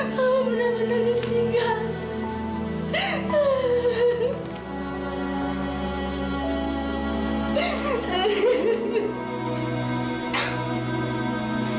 mama benar benar ditinggal